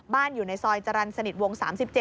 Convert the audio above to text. อยู่ในซอยจรรย์สนิทวง๓๗